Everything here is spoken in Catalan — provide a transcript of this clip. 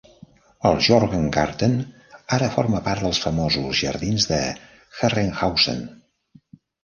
El Georgengarten ara forma part dels famosos jardins de Herrenhausen.